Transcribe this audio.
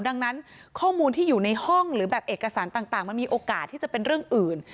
ดังนั้นข้อมูลที่อยู่ในห้องหรือแบบเอกสารต่างมันมีโอกาสที่จะเป็นเรื่องอื่น